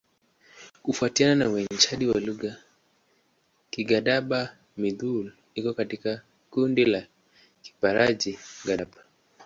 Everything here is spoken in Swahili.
Kufuatana na uainishaji wa lugha, Kigadaba-Mudhili iko katika kundi la Kiparji-Gadaba.